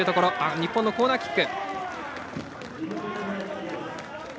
日本のコーナーキック。